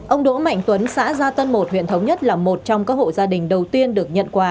ông đỗ mạnh tuấn xã gia tân một huyện thống nhất là một trong các hộ gia đình đầu tiên được nhận quà